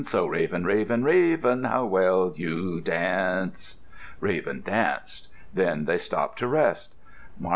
Oh, Raven, Raven, Raven, how well you dance!" Raven danced. Then they stopped to rest.